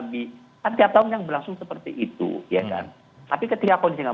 belum ada tahun politik tapi bisa jadi